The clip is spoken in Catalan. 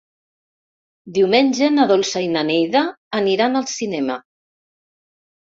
Diumenge na Dolça i na Neida aniran al cinema.